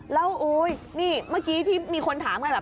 แล้วอุ๊ยนี่เมื่อกี้ที่มีคนถามกันแบบ